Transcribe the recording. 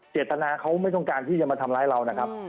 เจตนาเขาไม่ต้องการที่จะมาทำร้ายเรานะครับ